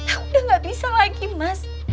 aku udah gak bisa lagi mas